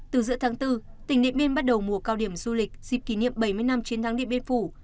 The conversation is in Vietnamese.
từ giữa tháng bốn tỉnh điện biên bắt đầu mùa cao điểm du lịch dịp kỷ niệm bảy mươi năm chiến thắng điện biên phủ